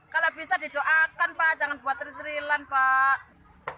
kalau bisa didoakan pak jangan buat riserilan pak